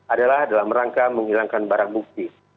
adalah dalam rangka menghilangkan barang bukti